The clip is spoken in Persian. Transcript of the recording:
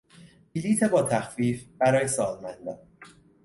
بلیط با تخفیف برای سالمندان